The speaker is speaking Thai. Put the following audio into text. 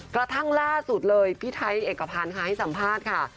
กระทั่งล่าสุดเลยพี่ไทยเอกพันธ์ค่ะให้สัมภาษณ์ค่ะ